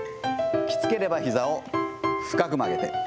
きつければひざを深く曲げて。